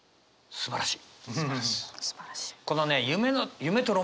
すばらしい。